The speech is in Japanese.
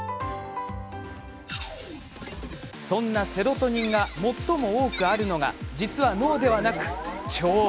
そんなセロトニンが最も多くあるのが実は、脳ではなく腸。